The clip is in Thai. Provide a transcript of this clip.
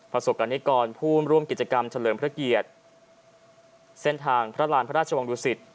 ประสบกรณิกรผู้ร่วมกิจกรรมเฉลิมพระเกียรติเส้นทางพระราณพระราชวังดุสิต